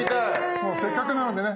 せっかくなのでね